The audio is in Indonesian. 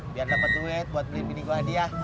biar dapet duit untuk beliin bini gue adik ya